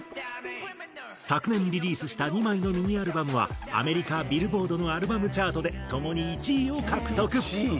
昨年リリースした２枚のミニアルバムはアメリカＢｉｌｌｂｏａｒｄのアルバムチャートでともに１位を獲得。